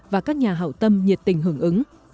và các nhà hảo tâm nhiệt tình hưởng ứng